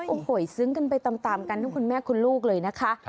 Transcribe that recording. โอ้โหซึ้งกันไปตามกันทั้งคุณแม่คุณลูกเลยนะคะ